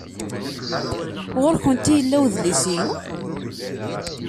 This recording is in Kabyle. Ɣer-went ay yella udlis-inu?